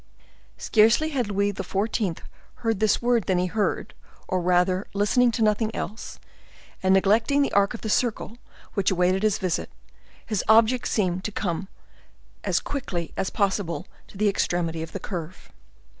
Scarcely had Louis XIV. heard this word than he heard, or rather listening to nothing else; and neglecting the arc of the circle which awaited his visit, his object seemed to be to come as quickly as possible to the extremity of the curve.